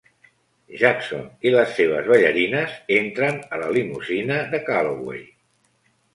Jackson i les seves ballarines entren a la limusina de Calloway.